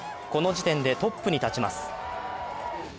この時点でトップに立ちます。